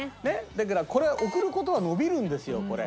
だからこれ『贈る言葉』伸びるんですよこれ。